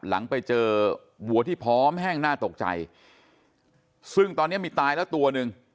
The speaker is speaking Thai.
หลังไปเจอวัวที่พร้อมแห้งน่าตกใจซึ่งตอนนี้มีตายแล้วตัวหนึ่ง